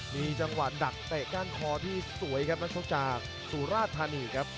มีจังหวะดักเตะก้านคอที่สวยครับนักชกจากสุราธานีครับ